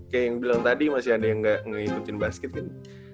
kayak yang bilang tadi masih ada yang gak ngikutin basket kan